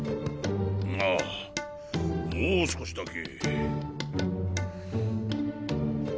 ああもう少しだけ。